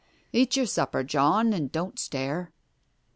Eat your supper, John, and don't stare."